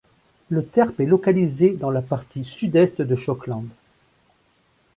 Le terp est localisé dans la partie sud-est de Schokland.